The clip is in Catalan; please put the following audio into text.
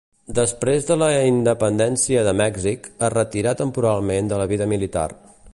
Després de la independència de Mèxic, es retirà temporalment de la vida militar.